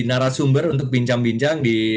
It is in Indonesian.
narasumber untuk bincang bincang di